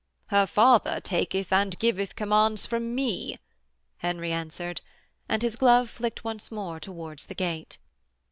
'Her father taketh and giveth commands from me,' Henry answered, and his glove flicked once more towards the gate.